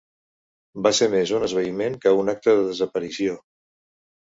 Va ser més un esvaïment que un acte de desaparició...